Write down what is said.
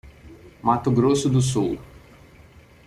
Mato Grosso do Sul